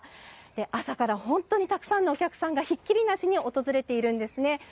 朝から本当にたくさんのお客さんがひっきりなしに訪れているんですね。